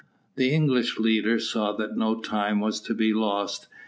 The English leader saw that no time was to be lost.